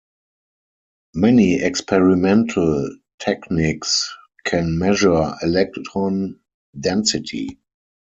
Many experimental techniques can measure electron density.